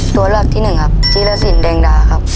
ตัวหลักที่๑ครับจีฬสินเดงดาครับ